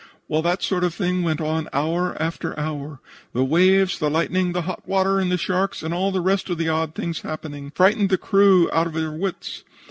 "Well that sort of thing went on hour after hour. The waves, the lightning, the hot water and the sharks, and all the rest of the odd things happening, frightened the crew out of their wits.